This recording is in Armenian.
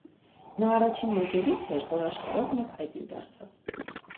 Նա առաջին մոգերից էր, որ աշխարհով մեկ հայտնի դարձավ։